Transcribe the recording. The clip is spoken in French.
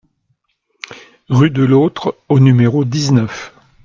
Rue de l'Authre au numéro dix-neuf